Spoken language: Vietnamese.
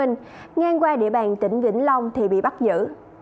ngang qua địa bàn tỉnh vĩnh long thì bị bắt giữ